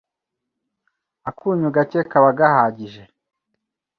akunyu gake kaba gahagije